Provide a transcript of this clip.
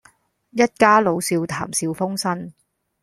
一家老少談笑風生